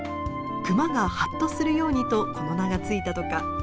熊が「ハッと」するようにとこの名が付いたとか。